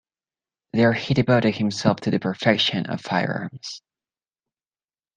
There he devoted himself to the perfection of firearms.